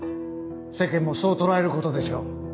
世間もそう捉えることでしょう。